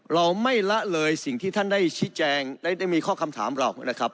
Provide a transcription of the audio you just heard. เราไม่ละเลยสิ่งที่ท่านได้ชี้แจงได้มีข้อคำถามเรานะครับ